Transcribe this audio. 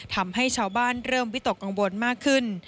ทำให้ชาวบ้านเริ่มวิตกกังวลมากขึ้น